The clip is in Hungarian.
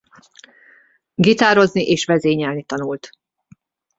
Gitározni és vezényelni tanult.